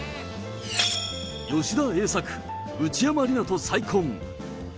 吉田栄作、内山理名と再婚。